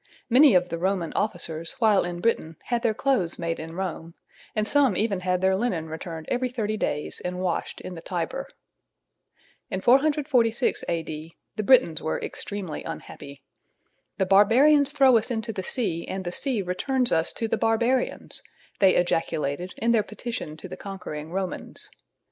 Many of the Roman officers while in Britain had their clothes made in Rome, and some even had their linen returned every thirty days and washed in the Tiber. [Illustration: IRRITABILITY OF THE BARBARIAN.] In 446 A.D., the Britons were extremely unhappy. "The barbarians throw us into the sea and the sea returns us to the barbarians," they ejaculated in their petition to the conquering Romans.